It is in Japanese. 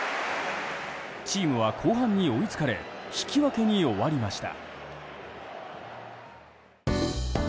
チームは後半に追いつかれ引き分けに終わりました。